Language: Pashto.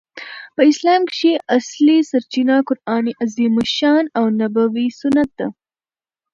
په اسلام کښي اصلي سرچینه قران عظیم الشان او نبوي سنت ده.